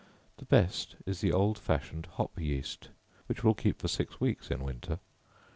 The best is the old fashioned hop yeast, which will keep for six weeks in winter.